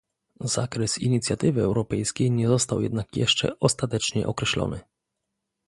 Zakres inicjatywy europejskiej nie został jednak jeszcze ostatecznie określony